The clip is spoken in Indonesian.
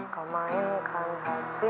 kau mainkan hati